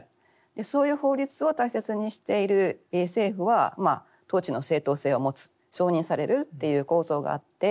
そういう法律を大切にしている政府は統治の正当性を持つ承認されるっていう構造があって。